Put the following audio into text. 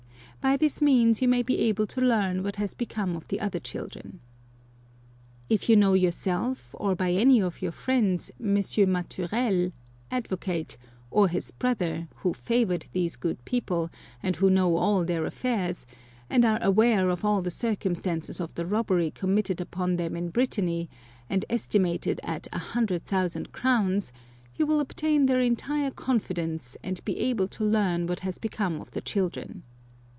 By this means you may be able to learn what has become of the other children. " If you know yourself, or by any of your friends, M. Maturel, advocate, or his brother, who favoured these good people, and who know all their affairs, and are aware of all the circumstances of the robbery committed upon them in Brittany, and estimated at a hundred thousand crowns, you will obtain their entire confidence, and be able to learn what has become of the children.